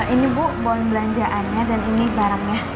ini bu boleh belanjaannya dan ini barangnya